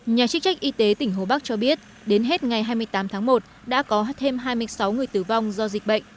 nhà chức trách y tế tỉnh hồ bắc cho biết đến hết ngày hai mươi tám tháng một đã có thêm hai mươi sáu người tử vong do dịch bệnh